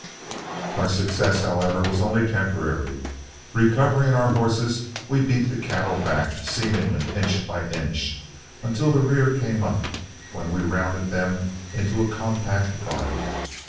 Our success, however, was only temporary. Recovering our horses we beat the cattle back, seemingly inch by inch, until the rear came up, when we rounded them into a compact body.